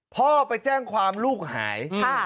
พ่อไปแจ้งความลูกหาย